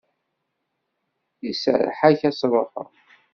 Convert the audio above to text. Iserreḥ-ak ad truḥeḍ.